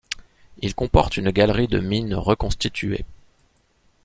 Il comporte une galerie de mine reconstituée.